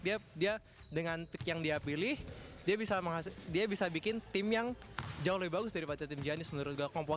dia dengan pick yang dia pilih dia bisa bikin tim yang jauh lebih bagus daripada tim gianis menurut gue